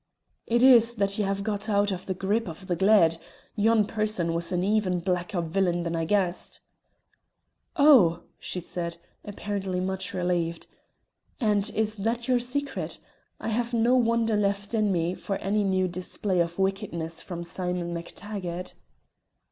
"It is that you have got out of the grip of the gled. Yon person was an even blacker villain than I guessed." "Oh!" she said, apparently much relieved, "and is that your secret? I have no wonder left in me for any new display of wickedness from Simon MacTaggart."